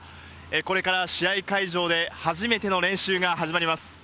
これから試合会場で、初めての練習が始まります。